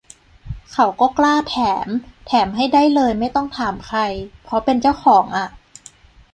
เขาก็กล้าแถม แถมให้ได้เลยไม่ต้องถามใคร เพราะเป็นเจ้าของอะ